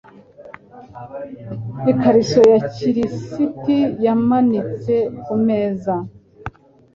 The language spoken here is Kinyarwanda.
Ikariso ya kirisiti yamanitse kumeza.